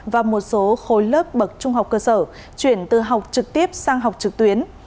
và một số khối lớp bậc trung học cơ sở chuyển từ học trực tiếp sang học trực tuyến